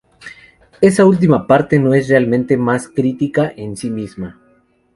Esa última parte no es realmente una crítica en sí misma.